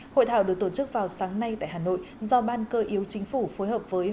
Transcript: hội thảo được tổ chức vào sáng nay tại hà nội do ban cơ yếu chính phủ phối hợp với